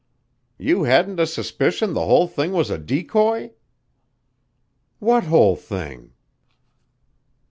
"You hadn't a suspicion the whole thing was a decoy?" "What whole thing?"